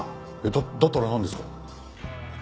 だだったらなんですか？